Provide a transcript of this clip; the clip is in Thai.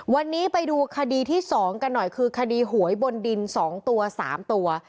วันนี้ไปดูคดีที่๒กันหน่อยคือคดีหวยบนดิน๒ตัว๓ตัว